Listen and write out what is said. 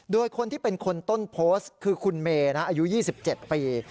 โดยคนที่เป็นคนต้นโพสต์คือคุณเมย์อายุ๒๗ปี